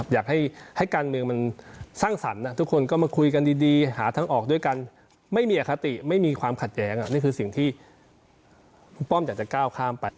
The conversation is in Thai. ยกตัวอย่างได้ไหมครับ